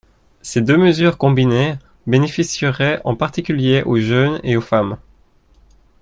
Ces deux mesures combinées bénéficieraient en particulier aux jeunes et aux femmes.